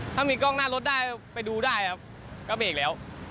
ถ้ารถได้ไปดูได้ครับก็เบรกแล้ว